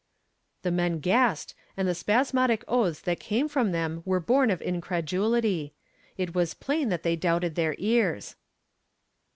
The men gasped and the spasmodic oaths that came from them were born of incredulity. It was plain that they doubted their ears.